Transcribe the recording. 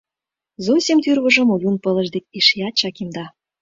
— Зосим тӱрвыжым Олюн пылыш дек эшеат чакемда.